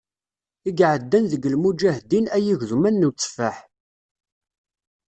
I iɛeddan deg lmuǧahdin, ay igeḍman n uteffaḥ.